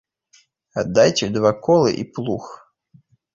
Аддайце два колы і плуг.